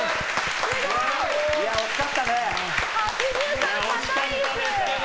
８２、高いです。